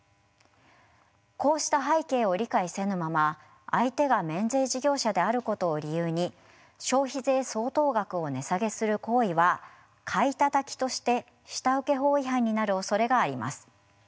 こうした背景を理解せぬまま相手が免税事業者であることを理由に消費税相当額を値下げする行為は「買いたたき」として下請け法違反になるおそれがあります。